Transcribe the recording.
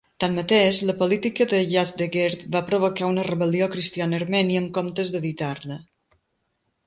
Tanmateix, la política de Yazdegerd va provocar una rebel·lió cristiana a Armènia, en comptes d'evitar-la.